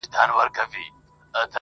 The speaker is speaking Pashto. ه تا خو تل تر تله په خپگان کي غواړم.